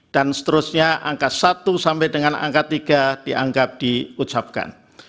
dan seterusnya angka satu sampai dengan angka tiga dianggap diucapkan